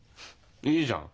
いいじゃん。